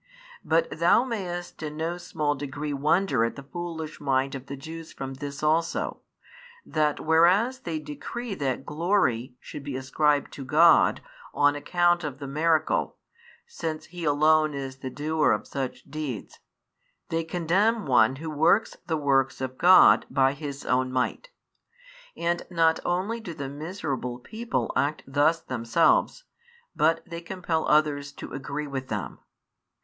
But thou mayest in no small degree wonder at the foolish mind of the Jews from this also, that whereas they decree that glory should be ascribed to God on account of the miracle, since He alone is the doer of such deeds, they condemn One Who works the works of God by His own might; and not only do the miserable people act thus themselves, but they compel others to agree with them.